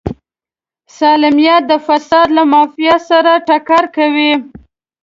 سالمیت د فساد له معافیت سره ټکر کوي.